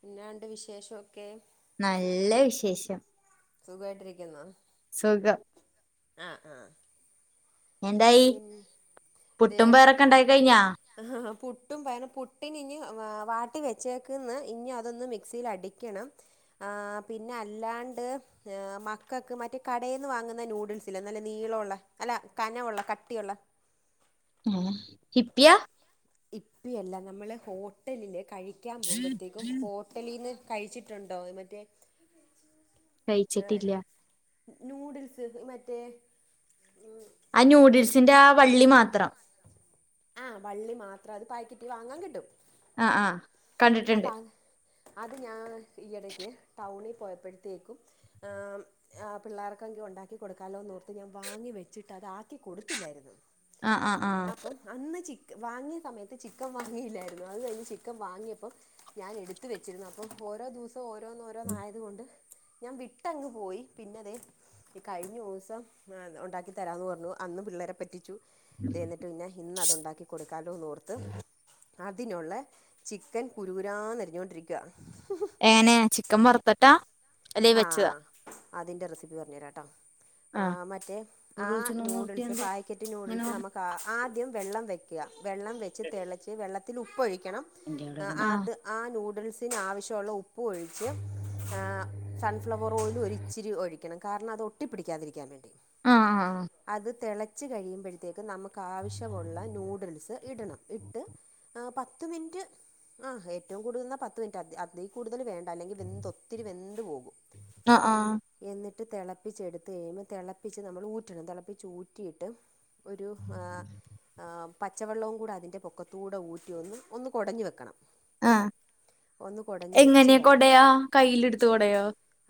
പിന്നണ്ട് വിശേഷംക്കെ നല്ല വിശേഷം സുഖമായിട്ടിരിക്കുന്നോ. സുഖം ആഹ് ആഹ് എന്തായി പിന്നെ ദേ പുട്ടും പേറൊക്കെ ഉണ്ടായി കഴിഞ്ഞാ ആഹ് പുട്ടുംപയും പുട്ടിനിന് വാ വാട്ടി വെച്ചേക്കന്ന് ഇനി അതൊന്ന് മിക്സിൽ അടിക് വക്കണം ആഹ് പിന്നെ അല്ലാണ്ട് മക്കൾക്ക് മറ്റേ കടേന്ന് വാങ്ങുന്ന നൂഡിൽസില്ലെ നല്ല നീളവുള്ള അല്ല കനവുള്ള കട്ടിയുള്ള ഉം ഇപ്പിയ ഇപ്പിയല്ല നമ്മള് ഹോട്ടലില് കഴിക്കാൻ പോകുമ്പോഴത്തേക്കും ഹോ ട്ടലീന്ന് കഴിച്ചിട്ടുണ്ടോ മറ്റേ ഏ കഴിച്ചിട്ടില്ല നൂഡിൽസ് ഇ മറ്റേ ഉം ആഹ് ന്യൂഡിൽസിന്റെ ആ വള്ളി മാത്രം ആഹ് വള്ളി മാത്രം അത് പാക്കറ്റ് വാങ്ങാൻ കിട്ടും ആഹ് ആഹ് അപ്പം അത് അത് ഞാൻ ഈയിടക്ക് ടൗണിൽ പോയപ്പോഴത്തേക്കും ആം ആഹ് പിള്ളേർക്കെങ്കി ഉണ്ടാക്കി കൊടുക്കാലോന്നോർത്ത് ഞാൻ വാങ്ങി വെച്ചിട്ട് അത് ആക്കി കൊടുത്തില്ലായിരുന്നു അഹ് അഹ് ആഹ് അപ്പം അന്ന് ചിക് വാങ്ങിയ സമയത്ത് ചിക്കൻ വാങ്ങിയില്ലായിരുന്നു അത് കഴിഞ് ചിക്കൻ വാങ്ങിയപ് അപ്പം ഞാൻ എടുത്ത വെച്ചിരുന്നു അപ്പം ഓരോ ദിവസം ഓരോന്നോഓരോന്ന് ആയത് കൊണ്ട് ഞാൻ വിട്ടങ്ങ് പോയി പിന്നെതെ ഈ കഴിഞ്ഞ ദിവസം ഉണ്ടാക്കി തരാന്ന് പറഞ്ഞു അന്ന് പിള്ളേരെ പറ്റിച്ചു തേ എന്നിട്ട് പിന്നെ ഇന്ന് അതു ഉണ്ടാക്കി കൊടുക്കാലോന്നോർത്ത് അതിനുള്ള ചിക്കൻ കുരൂനാ എന്നരിഞ്ഞുകൊണ്ടിരിക്കുക ഏനെ ചിക്കൻ വറ്ത്ത്ട്ടാ ആഹ് അതിൻ്റെ റെസിപ്പി പറഞ്ഞു തരാംട്ടോ ആ ആഹ് മറ്റേ ആ നൂഡിൽസ് പായാക്കറ്റ് നൂഡിൽസ് നമുക്ക് കാ ആദ്യം വെള്ളം വയ്ക്കുക വെള്ളം വെച്ച് തിളച്ച് വെള്ളത്തിൽ ഉപ്പൊഴിക്കണം അഹ് അത് ആ ആഹ് നൂഡിൽസിന് ആവശ്യമുള്ള ഉപ്പ് ഒഴിച്ച് ആഹ് സൺഫ്ലവർ ഓയിലും ഒരുരിച്ചിരി ഒഴിക്കണം കാരണം അത് ഒട്ടിപ്പിടിക്കാതിരിക്കാൻ വേണ്ടി ആഹ് അത് തെളച്ചു കഴിയുമ്പോഴ്ത്തേക്കും നമുക്ക് ആവശ്യമുള്ള നൂഡിൽസ് ഇടണം ഇട്ട് ആഹ് പത്ത്മിനിറ്റ് ആഹ് ഏറ്റവും കൂടുതൽനിന്നാ പത്ത് മിനിറ്റ് അതീ കൂടുതൽ വേ അല്ലെങ്കില് വെന്ത് ഒത്തിരി വെന്ത് പോകും അഹ് ആഹ് എന്നിട്ട് തെളപ്പിച്ചെട്ത്ത് കഴിയുമ്പൊ തെളപ്പിച്ച് നമ്മളൂറ്റണം തെളപ്പിച്ചൂറ്റിയിട്ട് ഒരു ഹാ ആം പച്ചവെള്ളവും കൂടതിൻ്റെ പൊക്കത്തൂട ഊറ്റിയൊന്ന് ഒന്ന് കൊടഞ്ഞ് വെക്കണം ആഹ് ഒന്ന് കുടഞ്ഞ് വെച്ച് എങ്ങനെയാ കഴിഞ്ഞ് കൊടയാ കയ്യിലെടുത്ത് കൊടയോ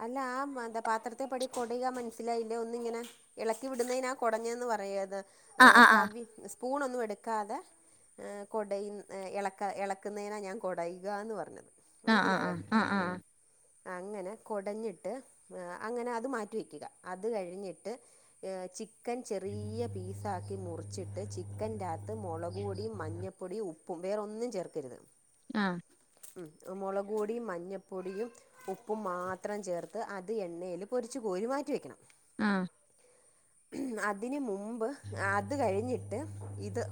അല്ല ആഹ് മന്താ പാത്രത്തെപടി കൊടയാ മനസ്സിലായില്ലാ ഒന്നിങ്ങനെ ഇളക്കി വിടുന്നതിനാ കൊടഞ്ഞെന്ന് പറയാത് ആ ആ ആ തവി സ്പൂണൊന്നുഎടുക്കാതെ ഏ കൊടയു എളക്ക എളക്കുന്നതിനാ ഞാൻ കൊടയുകാന്ന് പറഞ്ഞത് ആ ആ ആ മനസ്സിലായോ ആ അങ്ങനെ കൊടഞ്ഞിട്ട് അങ്ങനെ അത് മാറ്റിവെക്കുക അത് കഴിഞ്ഞിട്ട് ചിക്കൻ ചെറിയ പീസാക്കി മുറിച്ചിട്ട് ചി ചിക്കന്റകത്ത് മുളക് പൊടിയും മഞ്ഞപ്പൊടിയും ഉപ്പും വേറൊന്നും ചേർക്കരുത് ആഹ് ഉം മൊളക്പൊടിയും മഞ്ഞപ്പൊടിയും ഉപ്പും മാ ത്രം ചേർത്ത് അത് എണ്ണയില് പൊരിച്ച്കോരി മാറ്റി വെക്കണം ആഹ് ഉം അതിന് മുമ്പ് അത് കഴിഞ്ഞിട്ട് ഇത്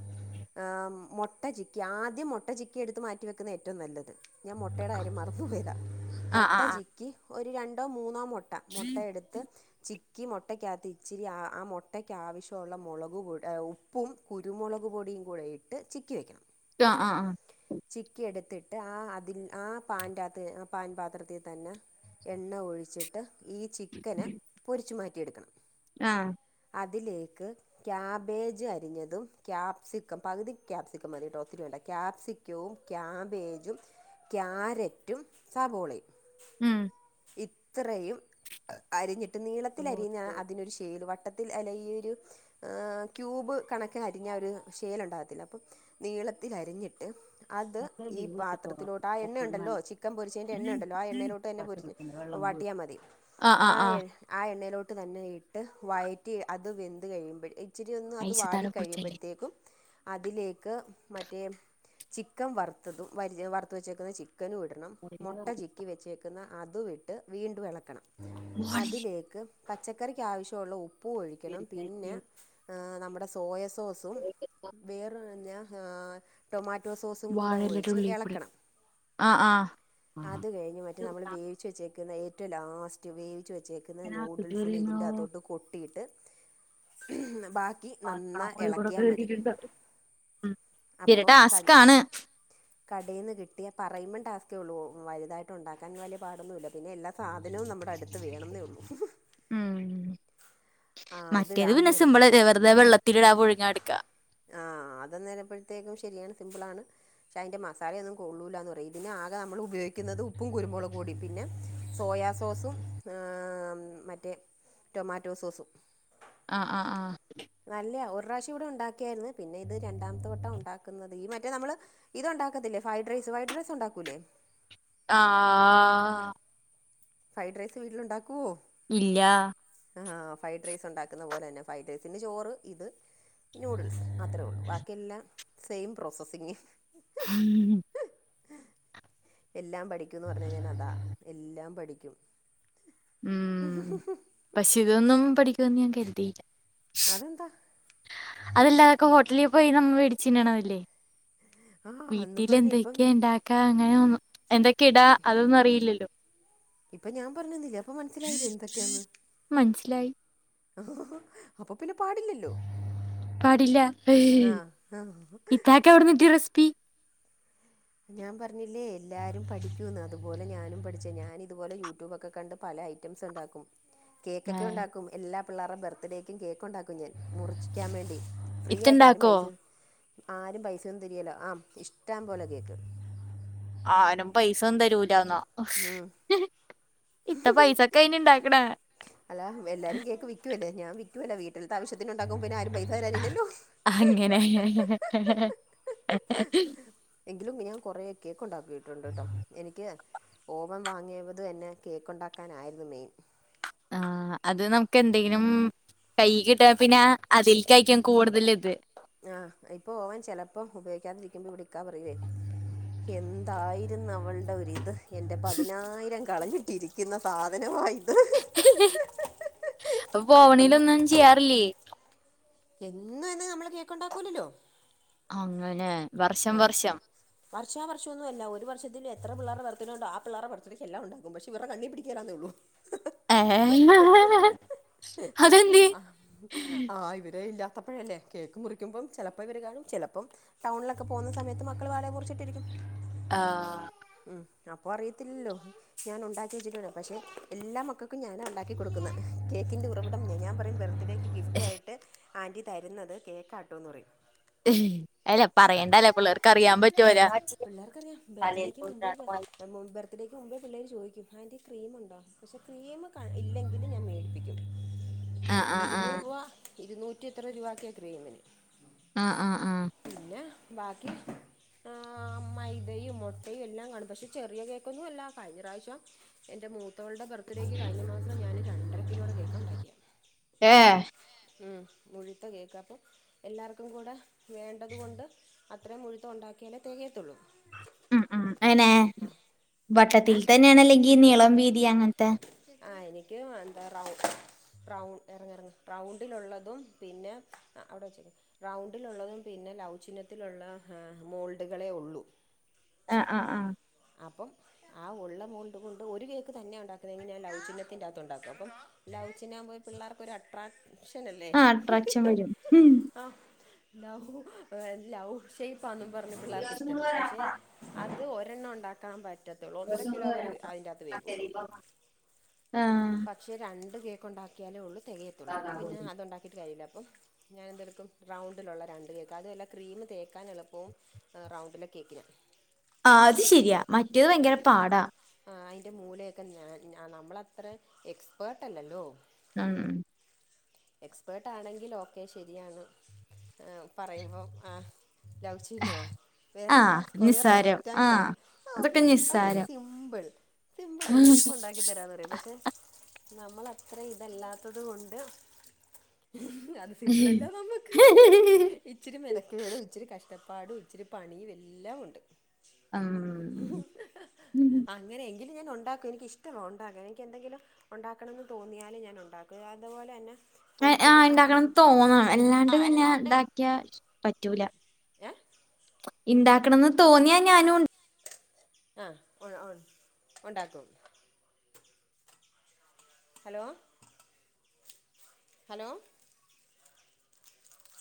ആഹ് മുട്ട ചിക്കി ആദ്യം മുട്ട ചിക്കി എടുത്ത് മാറ്റിവ വെക്കുന്ന ഏറ്റവും നല്ലത് ഞാൻ മൊ മൊട്ടേടെ കാര്യം മറന്നു പോയതാ ആ മൊട്ട ചിക്കി ഒരു രണ്ടോ മൂന്നോ മൊ ട്ട മൊട്ടയെട്ത്ത് ചിക്കി മൊട്ടക്കകത്ത് ഇച്ചിരി ആ മൊട്ടക്കാവശ്യുള്ള മുളക് ആ ഉ പ്പും കുരുമുളക് പൊടിയും കൂടെയിട്ട് ചിക്കി വെക്കണം ആ ആ ആ ചിക്കിയെടുത്തിട്ട് ആ അതിൽ ആ പാന്റകത്ത് പാൻ പാത്രത്തി തന്നെ എണ്ണ ഒഴിച്ചിട്ട് ഈ ചിക്കനെ പൊരിച്ചു മാറ്റിയെടുക്കണം ആഹ് അതിലേക്ക് ക്യാബേജ് അരിഞ്ഞതും ക്യാപ്സിക്കം പകുതി ക്യാപ്സിക്കം മതിട്ടോ ഒത്തിരി വേണ്ട കാപ്സി ക്യവും ക്യാബേജും ക്യാരറ്റും സവോളയും ഉം ഇത്രയും അരിഞ്ഞിട്ട് നീളത്തിലരിയുന്നാ അതിനൊരു ഷേല് വ ട്ടത്തിൽ അല്ല ഈയൊരു ഏഹ് ക്യൂബ് കണക്കിലരിഞ്ഞാ ഒരു ഷേലുണ്ടാകത്തില്ല അപ്പം നീളത്തിരിഞ്ഞിട്ട് അത് നല്ല ഡീ ഈ കുഴിച്ചിട്ടോ പാത്രത്തിലോട്ട് ആ എണ്ണയുണ്ടല്ലോ അപ്പങ്ങനെ ചിക്കൻ പൊരിച്ചതിന്റെ എണ്ണയുണ്ടല്ലോ ആ എണ്ണയിലോട്ട് തന്നെ പൊരിച്ച് വെള്ളം പോയി വാട്ടിയാമതി ആ എ ആ എണ്ണയിലോട്ട് തന്നെ ഇട്ട് വയറ്റി അത് വെന്ത് കഴിയുമ്പഴ് ഇച്ചിരി ഒന്ന് അത് വാടി ഐശത്താടെ പൂച്ചല്ലേ കഴിയുമ്പഴത്തേക്കും അതിലേക്ക് മറ്റേ ചിക്കൻ വറ്ത്തതും വറ്ത്ത് വെച്ചേക്കുന്ന ചി ചിക്കനു ഇടണം മൊട്ട ചിക്കി വെച്ചേക്കുന്ന അതുഇട്ട് വീണ്ടും എളക്കണം അതിലേക്ക് പച്ചക്കറിക്കാവശ്യുള്ള ഉപ്പു ഒഴിക്കണം പിന്നെ ഏ നമ്മടെ സോയ സോസും വേറെ പിന്നെ ഏ ടൊമാറ്റോ സോസും കൂടെ വാഴയിലയുടെ ഒഴിച്ച് ഉള്ളിൽ കൂടി എളക്കണം ആ ആ അത് കഴിഞ്ഞ് മറ്റേ നമ്മള് വേവിച്ച് വെച്ചേക്കുന്ന ഏറ്റവും ലാസ്റ്റ് വേവിച്ചു വെച്ചേ ക്ക്ന്ന ന്യൂഡിൽസിനെ ഇച്ചിരി ഇതിന്റകത്തോട്ട് കൊട്ടീട്ട് ബാ ക്കി നന്നാ എളക്കിയാ മതി അപ്പം ക ടാസ്ക് ആണ് കടേന്ന് കിട്ടിയ പറയിമ്പം ടാസ്ക്കേയുള്ളൂ വലുതായിട്ട് ഉണ്ടാക്കാൻ വലിയ പാടൊന്നുല്ല പിന്നെ എല്ലാ സാധനവും നമ്മുടെ അടുത്ത് വേണംന്നേയുള്ളൂ ഉം അത് മറ്റേത് പിന്നെ അന്നേരപ്പത്തെ സിംമ്പിളല്ലേ വെറുതെ വെള്ളത്തിലിടാ പുഴുങ്ങാ ഇട്ക്കാ ആഹ് അതെന്നാലപ്പഴത്തേക്കും ശെരിയാണ് സിമ്പിളാണ് പക്ഷെ അയിൻ്റെ മസാലയൊന്നും കൊള്ളൂലാന്ന് പറയും ഇതിന് ആകെ നമ്മൾ ഉപയോഗിക്കുന്നത് ഉപ്പും കുരുമുളക് പൊടിം പിന്നെ സോയ സോസും ആഹ് മറ്റേ ടൊമാറ്റോ സോസും ആഹ് ആഹ് ആഹ് നല്ലയാ ഒരു പ്രാവശ്യം കൂടെ ഉണ്ടാക്കിയായിരുന്നു പിന്നെ ഇത് രണ്ടാമത്തെ വട്ടം ഉണ്ടാക്കുന്നത് ഈ മറ്റേ നമ്മള് ഇതൊണ്ടാക്കത്തില്ലേ ഫ്രൈഡ് റൈസ് ഫ്രൈഡ് റൈസ് ഉണ്ടാക്കൂല്ലേ ആഹ് ഫ്രൈഡ് റൈസ് വീട്ടിലുണ്ടാക്കുവോ ഇല്ല ആഹ് ഫ്രൈഡ് റൈസ് ഉണ്ടാക്കുന്ന പോലെ തന്നെ ഫ്രൈഡ് റൈസിന് ചോറ് ഇത് നൂഡിൽസ് അത്രേ ഒള്ളൂ വാക്കിയെല്ലാം സെയിം പ്രോസസ്സിങ്ങ് ഉം എല്ലാം പഠിക്കുംന്ന് പറഞ്ഞ ഞാൻ അതാ എല്ലാം പഠിക്കും ഉം പക്ഷെ ഇതൊന്നും പഠിക്കുവെന്ന് ഞാൻ കരുതിയില്ല അതെന്താ അതല്ലാ അതൊക്കെ ഹോട്ടലിൽ പോയി നമ്മള് വേടിച്ചിന്നണതല്ലേ ആ അന്നും പറഞ്ഞ് ഇപ്പം വീട്ടിലെന്തൊക്കെയാ ഇണ്ടാക്കാ അങ്ങനെ ഒ എന്തൊക്കെ ഇടാ അതൊന്നും അറിയില്ലല്ലോ ഇപ്പ ഞാൻ പറഞ്ഞെന്നില്ലേ അപ്പൊ മനസ്സിലായില്ലേ എന്തൊക്കെയാന്ന് മനസ്സിലായി അപ്പൊ പിന്നെ പാടില്ലല്ലോ പാടില്ല ആ ആ ഇത്താക്കെവിടുന്ന്‌ കിട്ടിയ റെസിപ്പി ഞാൻ പറഞ്ഞില്ലേ എല്ലാരും പഠിക്കൂന്ന് അതുപോലെ ഞാനും പഠിച്ചതാ ഞാനിതുപോലെ യൂട്യൂബൊക്കെ കണ്ട് പല ഐ റ്റംസ് ഉണ്ടാക്കും കേക്കൊക്കെ ഉണ്ടാക്കും എല്ലാ പിള്ളേരുടെ ബർത്ത്ഡേക്കും കേക്ക് ഉണ്ടാക്കും ഞാൻ മുറിച്ചിക്കാൻ വേണ്ടി ഫ്രീ ആയിട്ട് ആരും ഇത്തണ്ടാക്കോ പൈസ ആരും പൈസയൊന്നും തരിയേല്ല ആ ഇഷ്ട്ടം പോലെ കേക്ക് ആരും പൈസ ഒന്നും തരൂലാന്നാ ഉം. ഇത്ത പൈസക്കെയിനി ഇണ്ടാക്കണേ അല്ലാ എല്ലാരും കേക്ക് വിക്കുവല്ലേ ഞാൻ വിക്കുവല്ല വീട്ടിൽത്തെ ആവശ്യത്തിനുണ്ടാക്കുമ്പോ പിന്നെ ആരും പൈസ തരാനില്ലല്ലോ അങ്ങനെ എങ്കിലും ഞാൻ കൊറെ കേക്ക് ഉണ്ടാക്കിയിട്ടുണ്ട് കേട്ടോ എനിക്ക് ഓവൻ വാങ്ങിയവത് തന്നെ കേക്കുണ്ടാക്കാനായിരുന്നു മെയിൻ ആഹ് അത് നമുക്ക് എന്തെങ്കിലും കൈയിൽ കിട്ടിയാ പിന്നെ അതിൽക്കായിക്കും കൂടുതൽ ഇത് ആഹ് ഇപ്പൊ ഓവൻ ചിലപ്പോം ഉപയോഗിക്കാതിരിക്കുമ്പോ ഇവിടെ ഇക്കാ പറയുവെ എന്തായിരുന്നു അവൾടെ ഒരിത് എൻ്റെ പതിനായിരം കളഞ്ഞിട്ട് ഇരിക്കുന്ന സാധനവാ ഇത് അപ്പൊ അന്ന് പോവണിലൊന്നും ചെയ്യാറില്ലേ എന്നും എന്നും നമ്മള് കേക്കുണ്ടാക്കൂലല്ലോ അങ്ങനെ വർഷം വർഷം വർഷാവർഷവൊന്നുവല്ല ഒരു വർഷത്തിൽ എത്ര പിള്ളാരുടെ ബർത്ത്ഡേ ഉണ്ടോ ആ പിള്ളേരുടെ ബർത്ത്ഡേക്ക് എല്ലാം ഉണ്ടാക്കും പക്ഷേ ഇവരുടെ കണ്ണി പിടിക്കുവേലാന്നേ ഒള്ളൂ ഏഹ് ആഹ് ആ ഇവരെ ഇല്ലാത്തപ്പഴല്ലേ കേക്ക് മുറിക്കുമ്പം ചിലപ്പോ ഇവര് കാണും ചിലപ്പം ടൗണിലൊക്കെ പോകുന്ന സമയത്ത് മക്കൾ വേറെ മുറിച്ചിട്ടിരിക്കും ആഹ് ഉം അപ്പോ അറിയത്തില്ലല്ലോ ഞാൻ ഉണ്ടാക്കി വെച്ചിട്ടുണ്ട് പക്ഷെ എല്ലാ മക്കൾക്കും ഞാനാ ഉണ്ടാക്കി കൊടുക്കുന്നേ കേക്കിൻ്റെ ഉറവിടം ഞാ ഞാൻ പറയും ബർത്ത്ഡേയ്ക്ക് ഗിഫ്റ്റ് ആയിട്ട് ആന്റി തരുന്നത് കേക്കാട്ടോന്ന് പറയും അല്ല പറയണ്ടാല്ലോ പിള്ളേർക്ക് അറിയാൻ പറ്റൂലോ ബർത്ത്ഡേയ്ക്ക് മുമ്പേ പിള്ളേര് ചോയിക്കും ആന്റി ക്രീമുണ്ടോ പക്ഷേ ക്രീം ക ഇല്ലെങ്കിൽ ഞാൻ മേടി പ്പിക്കും ആഹ് ആഹ് ഇരുന്നൂറ് ആഹ് രൂപ ഇരുന്നൂറ്റി എത്രയോ രൂപായൊക്കെയാ ക്രീമിന് ആഹ് ആഹ് ആഹ് പിന്നെ ബാക്കി ആ മൈദയും മുട്ടയും എല്ലാം കാണും പക്ഷെ ചെറിയ കേക്കൊന്നും അല്ല കഴിഞ്ഞ പ്രാവശ്യം എന്റെ മൂത്തവളുടെ ബർത്ത്ഡേയ്ക്ക് കഴിഞ്ഞ മാസം ഞാന് രണ്ടര കിലോടെ കേക്കാ ഉണ്ടാക്കിയേ ഏ ഉം മുഴുത്ത കേക്ക് അപ്പം എല്ലാർക്കും കൂടെ വേണ്ടത് കൊണ്ട്. അത്രയും മുഴുത്തത് ഉണ്ടാക്കിയാലേ തികയത്തുള്ളൂ. ഉം ഉം എങ്ങനെ ഏ വട്ടത്തിൽ തന്നെയാണോ അല്ലെങ്കിൽ നീളം വീതി അങ്ങനത്തെ ആഹ് എനിക്ക് വേണ്ട റൗണ്ട് റൗ ഇറങ്ങ് ഇറങ്ങ് റൗണ്ടിലുള്ളതും പിന്നെ അവിടെ വച്ചേക്ക് റൗണ്ടിലുള്ളതും പിന്നെ ലൗ ചിഹ്നത്തിലുള്ള മോൾഡുകളെ ഉള്ളൂ ആഹ് ആഹ് ആഹ് അപ്പം ആ ഉള്ള മോണ്ട് കൊണ്ട് ഒരു കേക്ക് തന്നെ ഉണ്ടാക്കുന്നതെങ്കിൽ ലൗ ചിഹ്നത്തിൻ്റകത്ത് ഉണ്ടാക്കും. അപ്പം ലൗ ചിഹ്നമാകുമ്പോൾ പിള്ളേർക്കൊരു അട്രാക്ഷൻ അല്ലേ ആഹ് അട്രാക്ഷൻ വരും ആഹ് ലൗ ലൗവ് ഷേപ്പാന്നും പറഞ്ഞ് പിള്ളേർക്ക് ഇഷ്ടവാ പക്ഷെ അത് ഒരെണ്ണം ഉ ണ്ടാക്കാൻ പറ്റത്തൊള്ളൂ ഒന്നര കിലോ വരെ അതിന്റകത്ത് വേവൂള്ളൂ. ആഹ് പക്ഷേ രണ്ട് കേക്ക് ഉണ്ടാക്കിയാലേ ഉള്ളൂ തികയത്തുള്ളൂ അപ്പോ ആഹ് പിന്നെ അതുണ്ടാക്കിട്ട് കാര്യമില്ല അപ്പം ഞാൻ എന്തെടുക്കും റൗണ്ടിലുള്ള രണ്ട് കേക്ക് അതുവല്ല ക്രീമ് തേക്കാൻ എളുപ്പവും റൗണ്ടിലെ കേക്കിനാ ആഹ് അത് ശരിയാ മറ്റേത് ഭയങ്കര ആ പാടാ ആ അഴിന്റെ മൂലയൊക്കെ നമ്മളത്ര എക്സ്പേർട്ട് അല്ലല്ലോ ഉം എക്സ്പേർട്ട് ആണെങ്കിൽ ഓക്കെ ശരിയാണ്. ആ പറയുമ്പോ ആ ലൗച്ചീനോ ആഹ് വേറെന്താ സ്ക്വയറൊ, നിസ്സാരം ററ്റങ്ക്ളോ ആഹ് ഔ അതൊക്കെ അ ഒക്കെ നിസ്സാരം സിംമ്പിൾ സിമ്പിൾ അല്ലോ ഇപ്പൊണ്ടകിതര പക്ഷെ നമ്മൾഅത്ര ഇതല്ലാത്തത് കൊണ്ട് സിമ്പളല്ല നമ്മക്ക്. ഇച്ചിരി മെനക്കേടും ഇച്ചിരി കഷ്ടപ്പാടും ഇച്ചിരി പണിയും എല്ലാം ഉണ്ട്. ആഹ് അങ്ങനെ എങ്കിലും ഞാൻ ഉണ്ടാക്കും എനിക്കിഷ്ടമാ ഉണ്ടാക്കൻ എനിക്ക് എന്തെങ്കിലും. ഉണ്ടാക്കണംന്ന് തോന്നിയാല് ഞാൻ ഉണ്ടാക്കും അതുപോലെ ന്നെ. ആഹ് ഇണ്ടാക്കണം തോന്നണം എല്ലാണ്ട് പിന്നെ ഇണ്ടാക്കിയാ പറ്റൂല. ഏ ഇണ്ടാക്കണന്ന് തോന്നിയാ ഞാനും. ആ ഉ ഉണ്ടാക്കും. Hello hello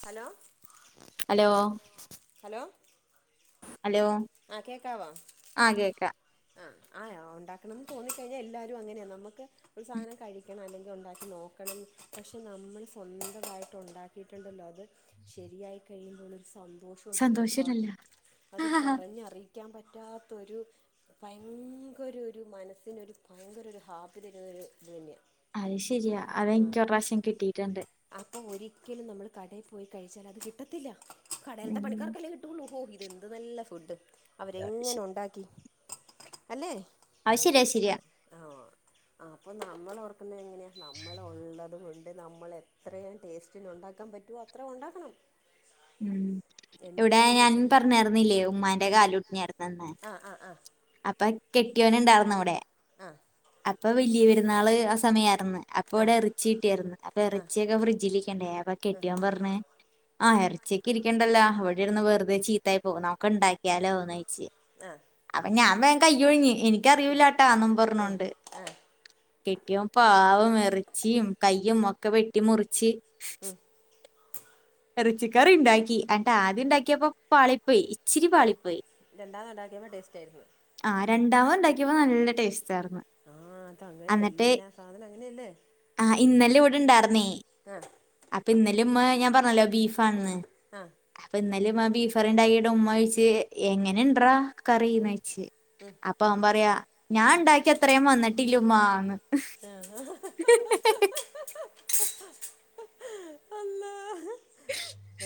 hello hello hello hello ആ കേക്കാവോ ആ കേക്കാം അ ആയോ ഉണ്ടാക്കണംന്ന്. തോന്നിക്കഴിഞ്ഞാൽ എല്ലാരും അങ്ങനെയാ നമ്മക്ക് സാനം കഴിക്കണം അല്ലെങ്കിൽ ഉണ്ടാക്കി നോക്കണം പക്ഷെ നമ്മൾ സ്വന്തമായിട്ട് ഉണ്ടാക്കിയിട്ടുണ്ടല്ലോ. അത് ശരിയായി കഴിയുമ്പോൾ ഒരു സന്തോഷം ഉണ്ടല്ലോ. പ സന്തോഷമില്ലല്ലോ അത് ഞ്ഞ് അറിയിക്കാൻ പറ്റാത്തൊരു. ഭയങ്കര ഒരു മനസ്സിനൊരു ഭയങ്കര ഒരു ഹാപ്പി തരുന്ന ഒരു ഇത് തന്നെയാ അത് ശരിയാ അതെനിക്ക് ഒരു പ്രാവശ്യം കിട്ടീട്ടുണ്ട്. അപ്പം ഒരിക്കലും നമ്മൾ കടയിൽ പോയി കഴിച്ചാൽ അത് കിട്ടത്തില്ല. കടെൽത്തെ ഉം. പണിക്കാർക്കല്ലേ കിട്ടുള്ളൂ ഹോ ഇത് എന്ത് നല്ല ഫുഡ്. അവരെങ്ങനെ ശ- ഉണ്ടാക്കി. അല്ലേ അയ് ശരിയ ശരിയ. ഓ അപ്പം നമ്മൾ ഓർക്കുന്നത് എങ്ങനെയാ നമ്മള് ഉള്ള കൊണ്ട് നമ്മൾ എത്രയും ടേസ്റ്റിന് ഉണ്ടാക്കാൻ പറ്റോ അത്ര ഉണ്ടാക്കണം. ഉം എൻ്റെ ഇവിടെ ഒരു മൈൻഡ് ഞാൻ വെച്ചത് പറഞാഴിരുന്നില്ലേ ഉമ്മാന്റെ കാലുഒടിഞ് കിടന്ന അന്ന്. ആഹ്‌ ആഹ്‌ ആഹ് അപ്പൊ കെട്ടിയോന്ണ്ടായിർന്ന് അവ്ടെ ആഹ്‌ അപ്പൊ വലിയ പെരുന്നാള് ആ സമയായിരുന്നു. അപ്പൊ ഇവിടെ ആഹ് എർച്ചിട്ടിയായിരുന്നു അപ്പൊ എർച്ചിയൊക്കെ ഫ്രിഡ്ജിലിരിക്കണ്ടേ അപ്പൊ കെട്ടിയോം പർഞ് ആഹ് എർ ച്ചിക്ക് ഇരിക്കണ്ടല്ലോ അവിടെ ഇരുന്ന് വെറുതെ ചീത്തായി പോകും നമുക്ക് ഉണ്ടാക്കിയാലോന്നൊയ്‌ച്ച് ആഹ് ആഹ് അപ്പം ഞാൻ വേം കയ്യൊഴിഞ്ഞ് എനിക്കറിയുലാട്ടാ ന്നും പർഞ്ഞൊണ്ട് കെട്ടിയോം പാവം എർച്ചിയും കയ്യും ഒക്കെ വെട്ടി മുറിച്ച് എറച്ചിക്കറിണ്ടാക്കി ന്നട്ട് ആദ്യം ഇണ്ടാക്കിയപ്പോ പാളി പ്പേയ് ഇച്ചിരി ര പാളിപ്പോയി രണ്ടാമത് ഇണ്ടാക്കിയപ്പൊ ടേസ്റ്റ് ആയിരുന്നു ആ രണ്ടാമത് ഇണ്ടാക്കിയപ്പോ നല്ല ടേസ്റ്റ് ആയിരുന്നു ആ അത എന്നിട്ട് അങ്ങനെയല്ലാ സാധനം അങ്ങനെയല്ലേ ആ ഇന്നലെ വിടെ ഇണ്ടായിർന്നേ ആഹ് അപ്പൊ ഇന്നലും മ്മ ഞാൻ പർഞ്ഞല്ലോ ബീഫാണെന്ന്. ആഹ് ആഹ് അപ്പൊ ന്നലിം ആ ബീഫറിണ്ടായിട്ട് ഉമ്മ ഒയിച്ച് എങ്ങനെ ഇണ്ടറാ കറിന്ന യ്‌ച് അപ്പ അവം പറയാ ഞാൻ ഇണ്ടാക്കിയത്രയും വന്നിട്ടില്ലമ്മാന്ന് ആഹ് [unintelligible] അല്ലാഹ്.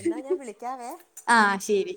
എന്നാ ഞാൻ വിളിക്കാവേ ആഹ് ശെരി